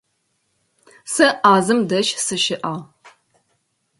Сэ Ӏазэм дэжь сыщыӀагъ.